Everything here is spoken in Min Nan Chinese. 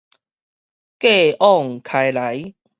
繼往開來